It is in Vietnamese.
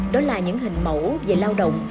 đó là những hình mẫu về lao động